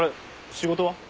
仕事は？